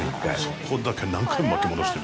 そこだけ何回も巻き戻して。